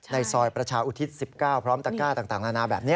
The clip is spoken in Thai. ในซอยประชาอุทิศ๑๙พร้อมตะก้าต่างนานาแบบนี้